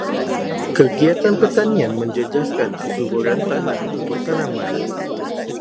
Kegiatan pertanian menjejaskan kesuburan tanah untuk tanaman.